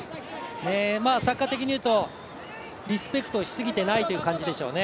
サッカー的にいうとリスペクトしすぎてないという感じでしょうね。